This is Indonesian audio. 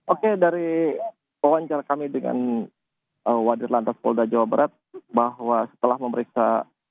oke dari wawancara kami dengan wadit lantas polda jawa barat bahwa setelah memeriksa